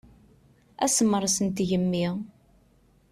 Asemres n tgemmi.